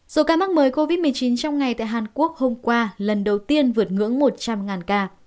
số ca mắc mới covid một mươi chín trong ngày tại hàn quốc hôm qua lần đầu tiên vượt ngưỡng một trăm linh ca